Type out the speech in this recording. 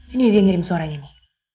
ini dia yang ngirim suaranya nih